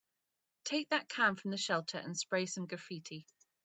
Take that can from the shelter and spray some graffiti.